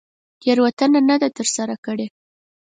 تېروتنه نه ده تر سره کړې.